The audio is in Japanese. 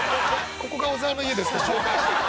「ここが小沢の家です」って紹介してたろ！